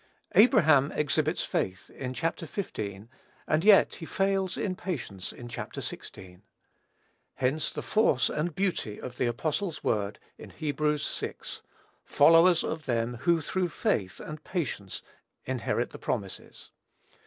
Abraham exhibits faith, in Chapter xv. and yet he fails in patience in Chapter xvi. Hence the force and beauty of the apostle's word, in Hebrews vi. "followers of them who through faith and patience inherit the promises."